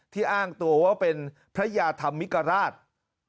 อ้างตัวว่าเป็นพระยาธรรมิกราช